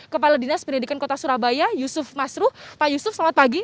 kepala dinas pendidikan kota surabaya yusuf masru pak yusuf selamat pagi